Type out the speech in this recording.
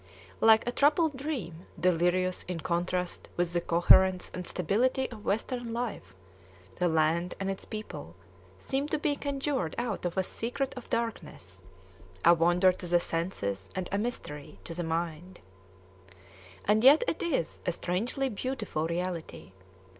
Like a troubled dream, delirious in contrast with the coherence and stability of Western life, the land and its people seem to be conjured out of a secret of darkness, a wonder to the senses and a mystery to the mind. And yet it is a strangely beautiful reality.